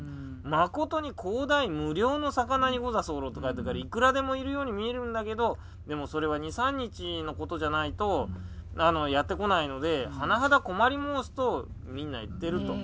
「まことに広大無量の魚に御座候」って書いてたりいくらでもいるように見えるんだけどでもそれは２３日のことじゃないとやって来ないので甚だ困り申すとみんな言ってると。